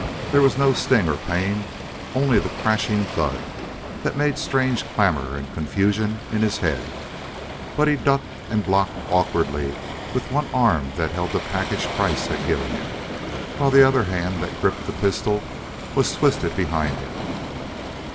There was no sting or pain, only the crashing thud that made strange clamor and confusion in his head. But he ducked and blocked awkwardly with the one arm that held the package Kreiss had given him, while the other hand that gripped the pistol was twisted behind him.